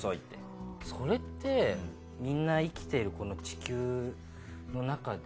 それってみんな生きているこの地球のなかで。